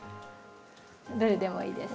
どれでもいいです。